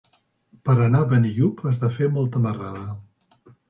Per anar a Benillup has de fer molta marrada.